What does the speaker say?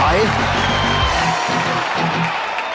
ต่อหน้าแฟนดินบ้าน